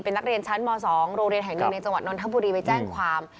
เป็นนักเรียนชั้นม๒โรงเรียนแห่งหนึ่งในจังหวัดนทบุรีไปแจ้งความ